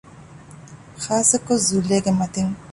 ޚާއްސަކޮށް ޒުލޭގެ މަތީން